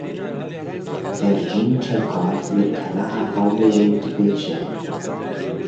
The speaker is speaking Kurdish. Pervîn Çakar li Keleha Hewlêrê dibêje.